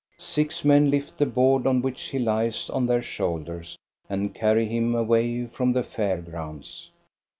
Six men lift the board on which he lies on their shoulders and carry him away from the fair grounds.